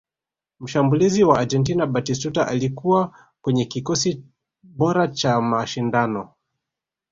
mshambulizi wa argentina batistuta alikuwa kwenye kikosi bora cha mashindano